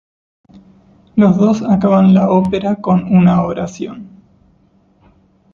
Los dos acaban la ópera con una oración.